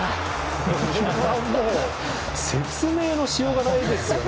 これはもう説明のしようがないですよね。